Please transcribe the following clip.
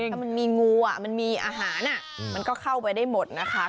ถ้ามันมีงูมันมีอาหารมันก็เข้าไปได้หมดนะคะ